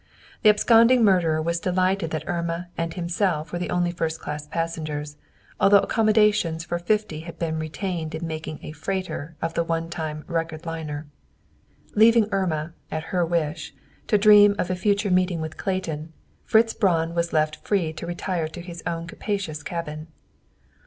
The absconding murderer was delighted that Irma and himself were the only first class passengers, although accommodations for fifty had been retained in making a "freighter" of the one time "record liner." Leaving Irma, at her wish, to dream of a future meeting with Clayton, Fritz Braun was left free to retire to his own capacious cabin.